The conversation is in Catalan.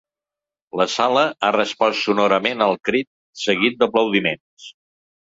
La sala ha respost sonorament al crit, seguit d’aplaudiments.